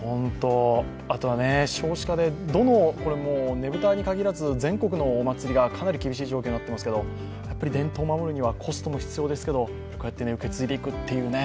あとは少子化で、ねぶたに限らず全国のお祭りが、かなり厳しい状況になってますけどやっぱり伝統を守るには、コストも必要ですけど、受け継いでいくというのね。